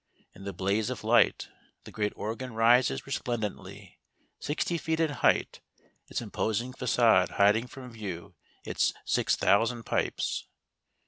In the blaze of light the great organ rises resplen dently, sixty feet in height, its imposing facade hiding from view its six thousand pipes.